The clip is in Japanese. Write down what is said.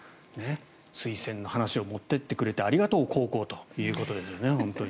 推薦の話を持っていってくれてありがとう高校ということでね。